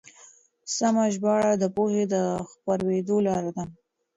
سمه ژباړه د پوهې د خپرېدو لاره ده.